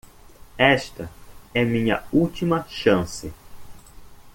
Esta é minha última chance.